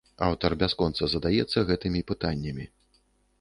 Аўтар бясконца задаецца гэтымі пытаннямі.